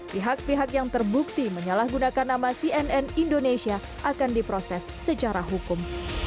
pihak pihak yang terbukti menyalahgunakan nama cnn indonesia akan diproses secara hukum